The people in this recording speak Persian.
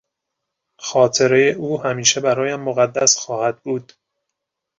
خاطرهی او همیشه برایم مقدس خواهد بود.